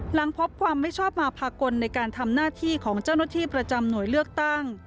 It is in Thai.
หลังพบความไม่ชอบมาภากลในการทำหน้าที่ของเจ้าหน้าที่ประจำหน่วยเลือกตั้ง